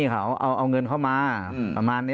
ปากกับภาคภูมิ